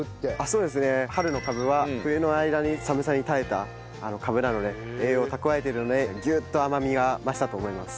そうですね春のカブは冬の間に寒さに耐えたカブなので栄養を蓄えているのでギュッと甘みが増したと思います。